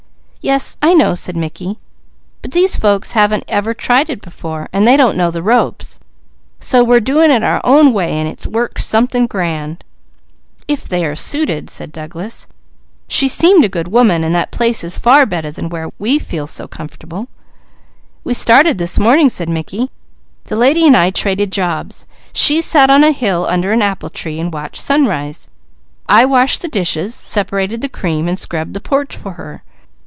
"Yes I know," said Mickey. "But these folks haven't ever tried it before, and they don't know the ropes, so we're doing it our own way, and it works something grand." "If they are suited " said Douglas. "That place is far better than where we feel so comfortable." "We started this morning," said Mickey. "The lady and I traded jobs; she sat on a hill under an apple tree and watched sunrise. I washed the dishes, sep'rated the cream, and scrubbed the porch for her.